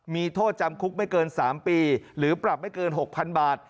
มีโทษจำคุกไม่เกิน๓ปีหรือปรับไม่เกิน๖๐๐๐บาท